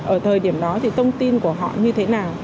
ở thời điểm đó thì thông tin của họ như thế nào